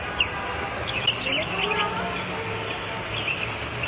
মনে করো, রামা?